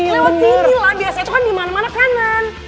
lewat sini lah biasanya cuman dimana mana kanan